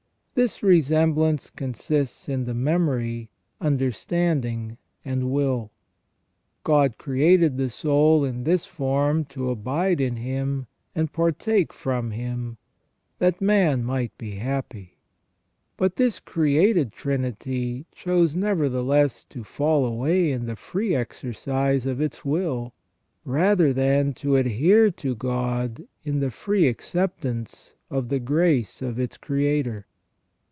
This resemblance consists in the memory, understanding, and will. God created the soul in this form to abide in Him and partake from Him, that man might be happy. But this created trinity chose nevertheless to fall away in the free exercise of its will, rather than to adhere to God in the free accept ance of the grace of its Creator.